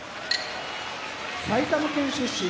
埼玉県出身